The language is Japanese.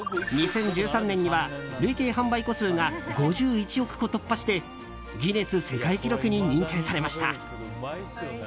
２０１３年には累計販売個数が５１億個を突破してギネス世界記録に認定されました。